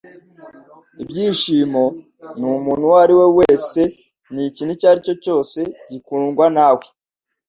Ibyishimo ni umuntu uwo ari we wese n'ikintu icyo ari cyo cyose, gikundwa nawe.”